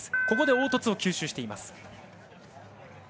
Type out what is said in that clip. ここで凹凸を吸収しています。